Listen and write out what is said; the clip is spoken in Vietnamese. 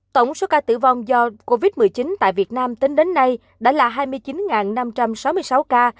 tổng số ca tử vong do covid một mươi chín tại việt nam tính đến nay đã là hai mươi chín năm trăm sáu mươi sáu ca